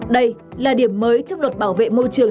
đây là điểm mới trong luật bảo vệ môi trường